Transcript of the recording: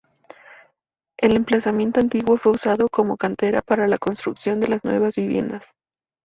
El emplazamiento antiguo fue usado como cantera para la construcción de las nuevas viviendas.